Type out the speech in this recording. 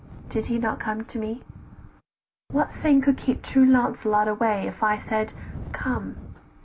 Did he not come to me? What thing could keep true Launcelot away If I said, 'Come?